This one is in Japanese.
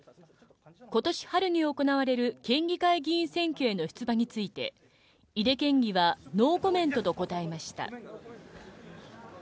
ことし春に行われる県議会議員選挙への出馬について、井手県議はノーコメントと答えました。